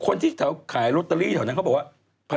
คนที่แถวขายลอตเตอรี่แถวนั้นเขาบอกว่า